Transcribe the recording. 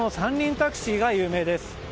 タクシー有名です。